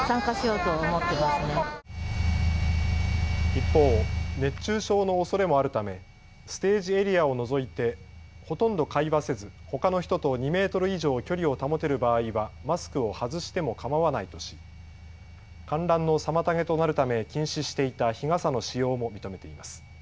一方、熱中症のおそれもあるためステージエリアを除いてほとんど会話せずほかの人と２メートル以上距離を保てる場合はマスクを外してもかまわないとし観覧の妨げとなるため禁止していた日傘の使用も認めています。